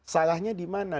salahnya di mana